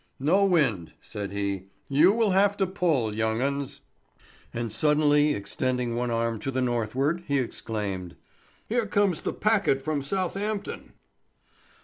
"No wind," said he. "You will have to pull, young 'uns." And suddenly extending one arm to the northward, he exclaimed: "Here comes the packet from Southampton."